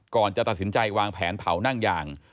ก่อนจะตัดสินใจวางแผนเผานั่งยาง